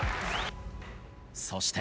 そして。